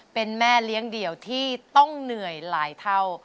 เป็นแม่เลี้ยงเดี่ยวที่ต้องเหนื่อยหลายเท่า